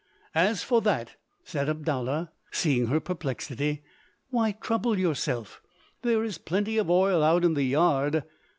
"As for that," said Abdallah, seeing her perplexity, "why trouble yourself? There is plenty of oil out in the yard."